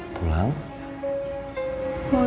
nunggu aja kan